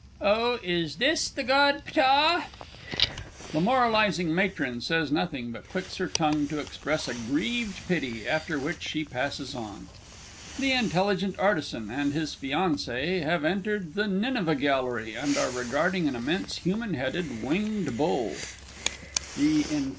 Oh, is this the God Ptah? [The M. M. says nothing, but clicks her tongue to express a grieved pity, after which she passes on. THE INTELLIGENT ARTISAN and his FIANCÉE have entered the Nineveh Gallery, and are regarding an immense human headed, winged bull. THE I.